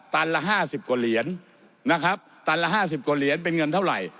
ละ๕๐กว่าเหรียญนะครับตันละ๕๐กว่าเหรียญเป็นเงินเท่าไหร่